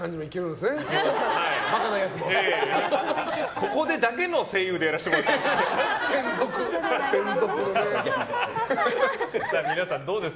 ここでだけの声優でやらせてもらってます。